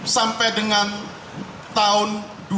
sampai dengan tahun dua ribu dua puluh